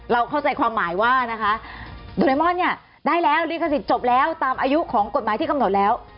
เราเข้าใจความหมายว่านะคะโดเรมอนเนี่ยได้แล้วลิขสิทธิ์จบแล้วตามอายุของกฎหมายที่กำหนดแล้ว